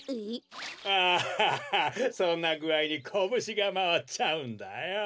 アハハハそんなぐあいにコブシがまわっちゃうんだよ。